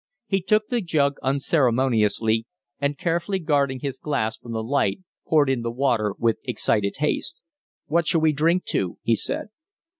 He took the jug unceremoniously, and, carefully guarding his glass from the light, poured in the water with excited haste. "What shall we drink to?" he said.